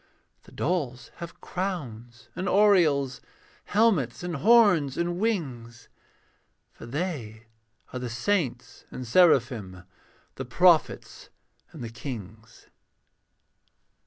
The dolls have crowns and aureoles, Helmets and horns and wings. For they are the saints and seraphim, The prophets and the kings.